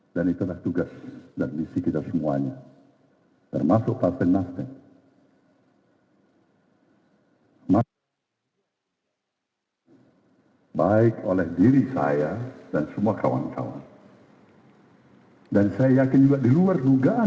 dan itulah tugas dan misi kita semuanya termasuk partai nasden